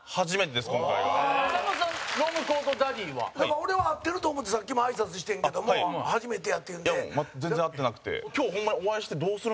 俺は会ってると思ってさっきも挨拶してんけども初めてやっていうんで。